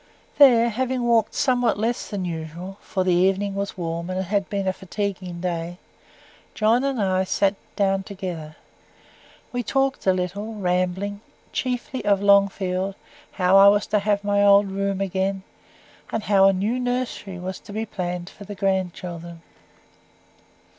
There, having walked somewhat less time than usual, for the evening was warm and it had been a fatiguing day, John and I sat down together. We talked a little, ramblingly chiefly of Longfield how I was to have my old room again and how a new nursery was to be planned for the grandchildren.